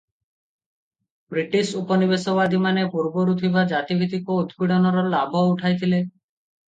British ଉପନିବେଶବାଦୀମାନେ ପୂର୍ବରୁ ଥିବା ଜାତିଭିତ୍ତିକ ଉତ୍ପୀଡ଼ନର ଲାଭ ଉଠାଇଥିଲେ ।